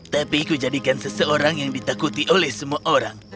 tapi ku jadikan seseorang yang ditakuti oleh semua orang